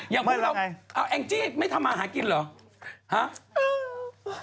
อย่างพวกเราเอาแองจี้ไม่ทำมาหากินเหรอ